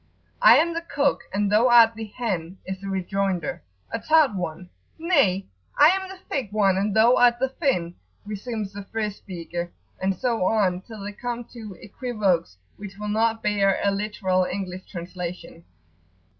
"I am the cock and thou art the hen!" is the rejoinder, a tart one. "Nay, I am the thick one and thou art the thin!" resumes the first speaker, and so on till they come to equivoques which will not bear a literal English translation.